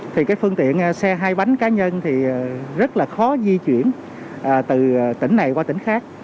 thì cái phương tiện xe hai bánh cá nhân thì rất là khó di chuyển từ tỉnh này qua tỉnh khác